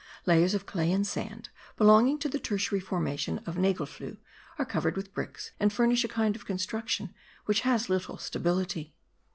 Layers of clay and sand, belonging to the tertiary formation of nagelfluhe, are covered with bricks and furnish a kind of construction which has little stability.